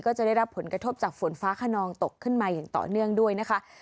จะได้รับผลกระทบจากฝนฟ้าขนองตกขึ้นมาอย่างต่อเนื่องด้วยนะคะ